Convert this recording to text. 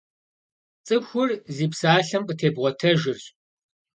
ЦӀыхур зи псалъэм къытебгъуэтэжырщ.